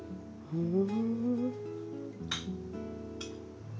うん！